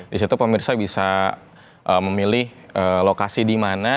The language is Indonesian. di situ pemirsa bisa memilih lokasi dimana